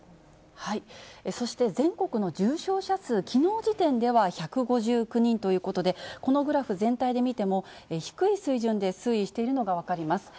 そして、全国の重症者数、きのう時点では１５９人ということで、このグラフ全体で見ても、低い水準で推移しているのが分かります。